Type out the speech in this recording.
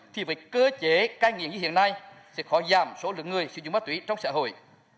thì phải cơ chế cai nghiện như hiện nay sẽ khó giảm số lượng người sử dụng ma túy trong xã hội